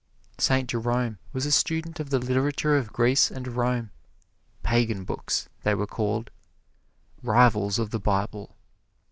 Saint Jerome was a student of the literature of Greece and Rome "Pagan Books," they were called, "rivals of the Bible."